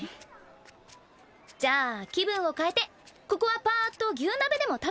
じゃあ気分を変えてここはパーッと牛鍋でも食べていきましょ。